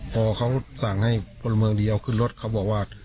พอเขาสั่งให้พลเมืองดีเอาขึ้นรถเขาบอกว่า